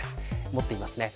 持っていますね。